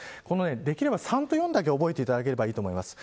できれば３と４だけ覚えていただければよいと思います。